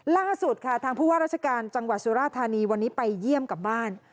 ล่าสุดค่ะทางผู้ว่าราชการจังหวัดสุราธานีวันนี้ไปเยี่ยมกลับบ้าน